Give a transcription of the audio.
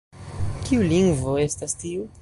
Kiu lingvo estas tiu?